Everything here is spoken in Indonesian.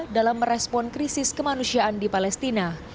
dalam merespon krisis kemanusiaan di palestina